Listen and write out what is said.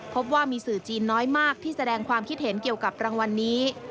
พบว่ามีสื่อจีนน้อยมากที่แสดงความคิดเห็นเกี่ยวกับรางวัลนี้